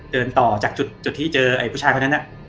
เดินต่อจากจุดที่เจอไอ้ผู้ชายคนนั้นน่ะ